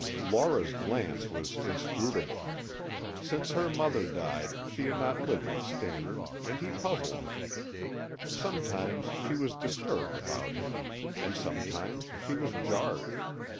Laura's glance was inscrutable. Since her mother died she had not lived with Stannard and he puzzled her. Sometimes she was disturbed about him, and sometimes she was jarred.